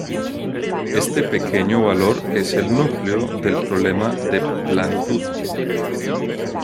Este pequeño valor es el núcleo del problema de planitud.